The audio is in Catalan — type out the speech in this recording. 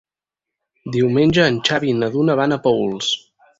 Diumenge en Xavi i na Duna van a Paüls.